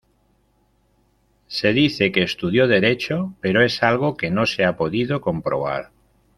Se dice que estudió Derecho pero es algo que no se ha podido comprobar.